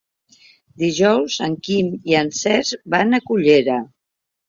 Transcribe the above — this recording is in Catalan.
Dijous en Quim i en Cesc van a Cullera.